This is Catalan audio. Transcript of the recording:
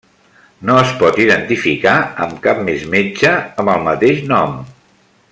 No es pot identificar amb cap més metge amb el mateix nom.